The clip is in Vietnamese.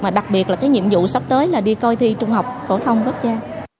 mà đặc biệt là cái nhiệm vụ sắp tới là đi coi thi trung học phổ thông quốc gia